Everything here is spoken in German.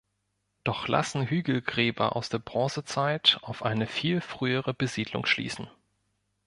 Doch lassen Hügelgräber aus der Bronzezeit auf eine viel frühere Besiedlung schließen.